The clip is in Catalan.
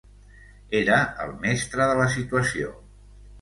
Era el mestre de la situació.